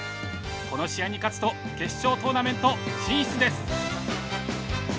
この試合に勝つと決勝トーナメント進出です。